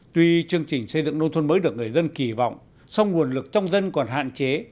tuy chương trình xây dựng nông thôn mới được người dân kỳ vọng song nguồn lực trong dân còn hạn chế